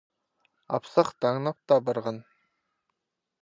Апсах таңнап таа парған.